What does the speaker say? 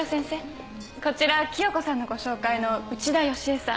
こちら清子さんのご紹介の内田良恵さん。